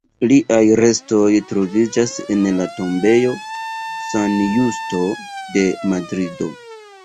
Liaj restoj troviĝas en la tombejo San Justo de Madrido.